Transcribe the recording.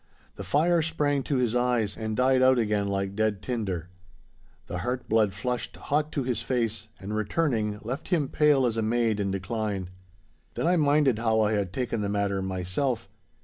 The fire sprang to his eyes, and died out again like dead tinder. The heart blood flushed hot to his face, and, returning, left him pale as a maid in a decline. Then I minded how I had taken the matter myself.